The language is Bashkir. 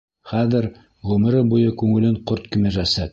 Хәҙер ғүмере буйы күңелен ҡорт кимерәсәк.